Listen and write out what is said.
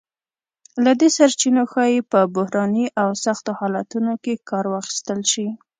له دې سرچینو ښایي په بحراني او سختو حالتونو کې کار واخیستل شی.